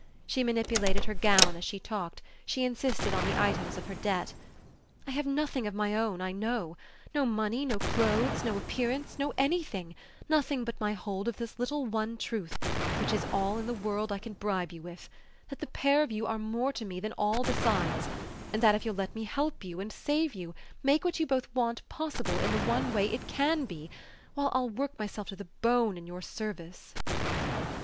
She manipulated her gown as she talked, she insisted on the items of her debt. "I have nothing of my own, I know no money, no clothes, no appearance, no anything, nothing but my hold of this little one truth, which is all in the world I can bribe you with: that the pair of you are more to me than all besides, and that if you'll let me help you and save you, make what you both want possible in the one way it CAN be, why, I'll work myself to the bone in your service!"